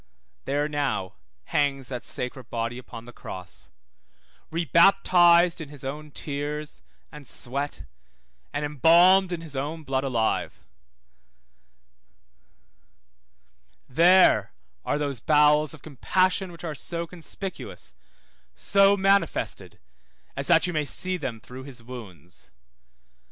There now hangs that sacred body upon the cross, rebaptized in his own tears, and sweat, and embalmed in his own blood alive. There are those bowels of compassion which are so conspicuous, so manifested, as that you may see them through his wounds.